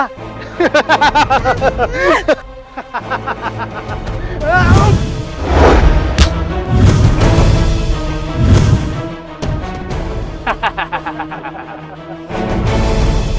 nyai berani sama kita